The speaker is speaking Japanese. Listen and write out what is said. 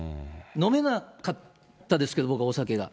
飲めなかったですけど、僕はお酒が。